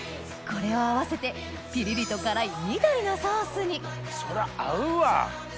これを合わせてピリリと辛い緑のソースにそりゃ合うわ。